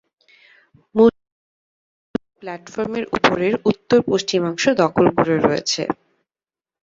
মসজিদটি পুরোপুরিভাবে প্লাটফর্মের উপরের উত্তর-পশ্চিমাংশ দখল করে রয়েছে।